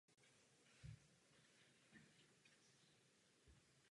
Také byla dokončena brazilská hlavní silniční síť.